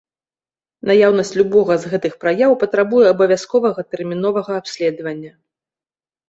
Наяўнасць любога з гэтых праяў патрабуе абавязковага тэрміновага абследавання.